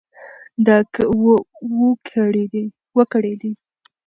و کړېدی .